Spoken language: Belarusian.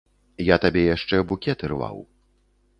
Я табе яшчэ букет ірваў.